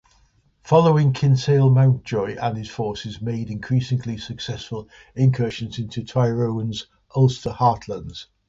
Following Kinsale Mountjoy and his forces made increasingly successful incursions into Tyrone's Ulster heartlands.